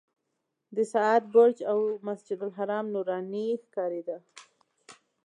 د ساعت برج او مسجدالحرام نوراني ښکارېده.